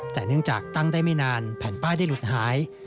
แต่เนื่องจากตั้งได้ไม่นานแผ่นป้ายได้หลุดหาย